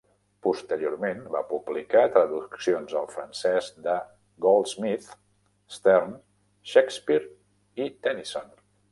Posteriorment va publicar traduccions al francès de Goldsmith, Sterne, Shakespeare i Tennyson.